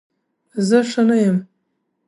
زه ښه نه یم